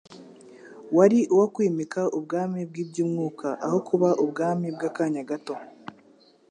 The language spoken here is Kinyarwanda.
wari uwo kwimika ubwami bw’iby’umwuka aho kuba ubwami bw’akanya gato